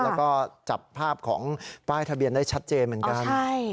แล้วก็จับภาพของป้ายทะเบียนได้ชัดเจนเหมือนกัน